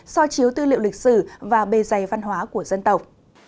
so chiếu tư liệu lịch sử và bề dày văn hóa của dân tộc